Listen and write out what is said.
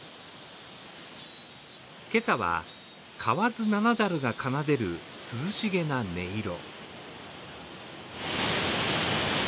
今朝は川津七滝が奏でる涼しげな音色。